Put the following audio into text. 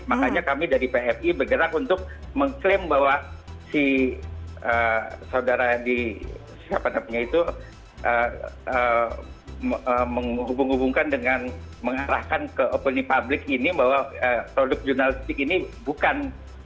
makanya kami dari pmi bergerak untuk mengklaim bahwa si saudara di siapa namanya itu menghubung hubungkan dengan mengarahkan ke opini publik ini bahwa produk jurnalistik ini bukan